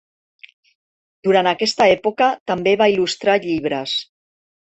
Durant aquesta època també va il·lustrar llibres.